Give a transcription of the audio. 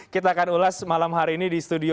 kita akan ulas malam hari ini di studio